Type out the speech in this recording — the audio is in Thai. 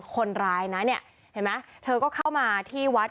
คนรายเธอก็เข้ามาที่วัสต์